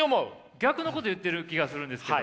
逆のこと言ってる気がするんですけど。